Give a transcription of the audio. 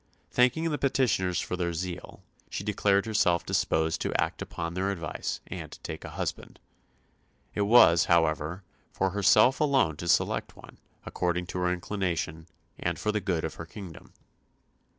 Thanking the petitioners for their zeal, she declared herself disposed to act upon their advice and to take a husband. It was, however, for herself alone to select one, according to her inclination, and for the good of her kingdom.